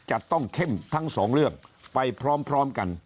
จะต้องเข้มทั้งสองเรื่องไปพร้อมกัน